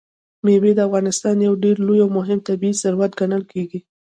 مېوې د افغانستان یو ډېر لوی او مهم طبعي ثروت ګڼل کېږي.